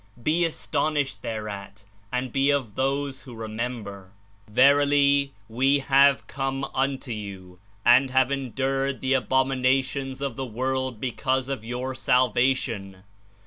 Be astonished thereat, and be of those who remember." 109 "Verily, We have come unto you, and have endured the abominations of the world because of your salva tion.